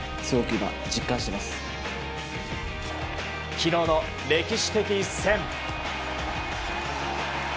昨日の歴史的一戦。